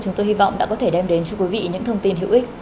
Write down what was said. chúng tôi hy vọng đã có thể đem đến cho quý vị những thông tin hữu ích